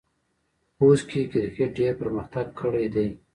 خوست کې کرکټ ډېر پرمختګ کړی دی.